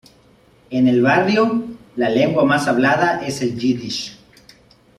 En el barrio, la lengua más hablada es el yiddish.